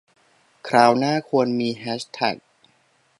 คราวหน้าควรมีแฮชแท็ก